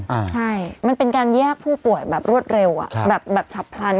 ใช่มันเป็นการแยกผู้ป่วยแบบรวดเร็วอ่ะแบบฉับพลัน